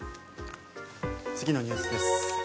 次のニュースです。